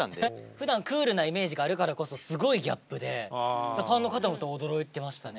ふだんクールなイメージがあるからこそすごいギャップでファンの方も驚いてましたね。